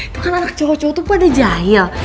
itu kan anak cowok cowok tuh pada jahil